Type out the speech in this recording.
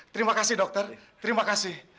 terima kasih dokter terima kasih